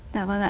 dạ vâng ạ